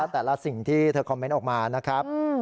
แต่ละสิ่งที่เธอคอมเมนต์ออกมานะครับ